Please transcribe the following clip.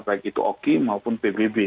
baik itu oki maupun pbb